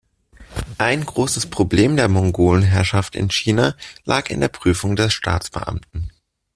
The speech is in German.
Ein großes Problem der Mongolenherrschaft in China lag in der Prüfung der Staatsbeamten.